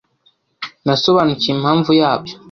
Nasobanukiwe impamvu yabyo.